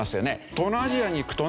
東南アジアに行くとね